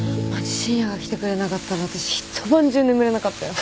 深夜が来てくれなかったら私一晩中眠れなかったよ。